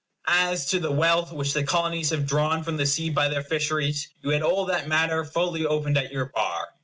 As to the wealth which the Colonies have drawn from the sea by their fisheries, you had all that matter fully opened at your bar.